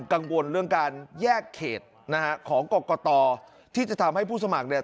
กังวลเรื่องการแยกเขตนะฮะของกรกตที่จะทำให้ผู้สมัครเนี่ย